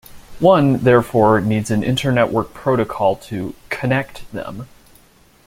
One, therefore, needs an inter-network protocol to "connect" them.